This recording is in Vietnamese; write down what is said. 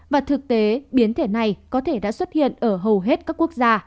và thực tế biến thể này có thể đã xuất hiện ở hầu hết các quốc gia